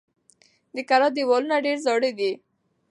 د کلا دېوالونه ډېر زاړه دي.